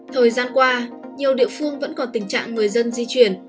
thời gian qua nhiều địa phương vẫn còn tình trạng người dân di chuyển